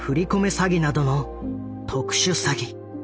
詐欺などの特殊詐欺。